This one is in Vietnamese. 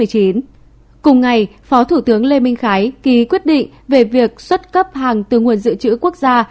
cùng ngày phó thủ tướng lê minh khái ký quyết định về việc xuất cấp hàng từ nguồn dự trữ quốc gia